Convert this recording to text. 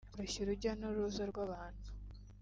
Koroshya urujya n’uruza rw’abantu